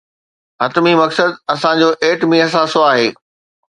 حتمي مقصد اسان جو ايٽمي اثاثو آهي.